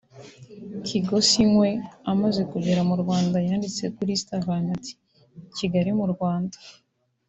Kgosinkwe amaze kugera mu Rwanda yanditse kuri Instagram ati “Kigali mu Rwanda